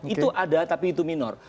itu ada tapi itu minor